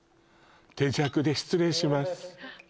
手酌で失礼します